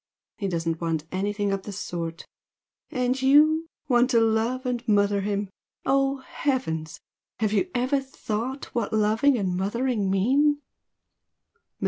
He doesn't want anything of the sort! And YOU want to love and mother him! Oh heavens! have you ever thought what loving and mothering mean?"